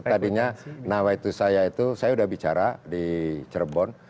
tadinya nah waktu saya itu saya sudah bicara di cirebon